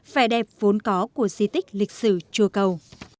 phẻ đẹp vốn có của di tích lịch sử chua cầu